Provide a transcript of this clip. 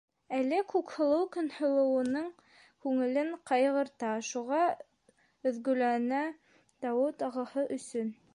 Әле Күкһылыу Көнһылыуының күңелен ҡайғырта, шуға өҙгөләнә Дауыт ағаһы өсөн.